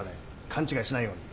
勘違いしないように。